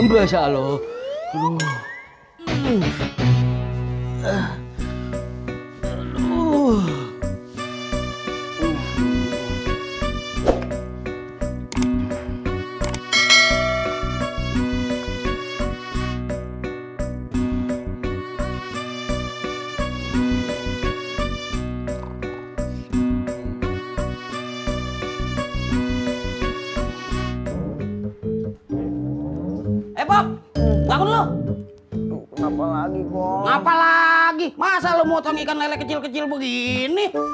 masa lo motong ikan lele kecil kecil begini